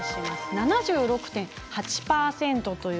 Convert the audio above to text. ７６．８％。